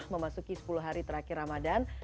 memasuki sepuluh hari terakhir ramadan